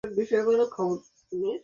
আরেকটা কিছু আসছে।